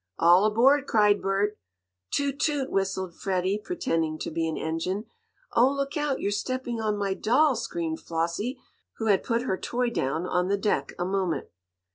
"All aboard!" cried Bert. "Toot! Toot!" whistled Freddie, pretending to be an engine. "Oh, look out! You're stepping on my doll!" screamed Flossie, who had put her toy down on the deck a moment.